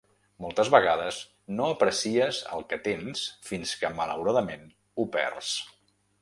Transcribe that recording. Moltes vegades no aprecies el que tens fins que malauradament ho perds.